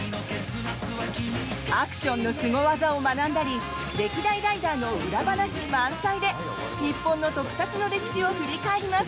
アクションのスゴ技を学んだり歴代ライダーの裏話満載で日本の特撮の歴史を振り返ります。